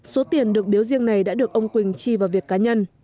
số tiền được biếu riêng này đã được ông quỳnh chi vào việt cá nhân